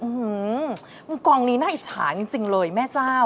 อื้อหือมันกองนี้น่าอิจฉาจริงเลยแม่เจ้า